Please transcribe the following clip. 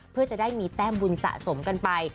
เพื่อจะได้มีแต้มบุญสะสมกันไป